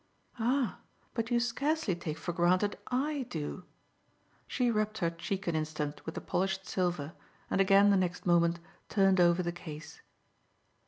"Ah but you scarcely take for granted I do!" She rubbed her cheek an instant with the polished silver and again the next moment turned over the case.